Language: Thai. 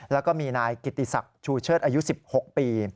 แล้วก็มีนายกิติศักดิ์ชูเชิดอายุ๑๖ปี